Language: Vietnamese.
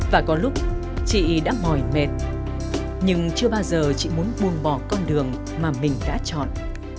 và có lúc chị đã mỏi mệt nhưng chưa bao giờ chị muốn buông bỏ con đường mà mình đã chọn